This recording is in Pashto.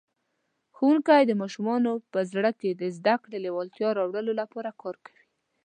ښوونکی د ماشومانو په زړه کې د زده کړې لېوالتیا راوړلو لپاره کار کوي.